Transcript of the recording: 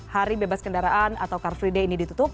hari bebas kendaraan atau car free day ini ditutup